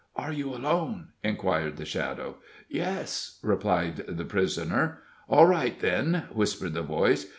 "Are you alone?" inquired the shadow. "Yes," replied the prisoner. "All right, then," whispered the voice.